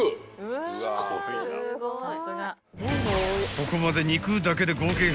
［ここまで肉だけで］